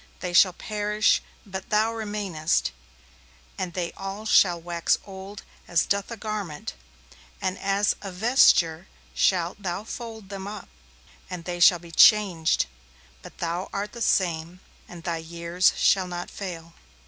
They shall perish, but Thou remainest, and they all shall wax old as doth a garment, and as a vesture shalt Thou fold them up, and they shall be changed; but Thou art the same, and Thy years shall not fail.'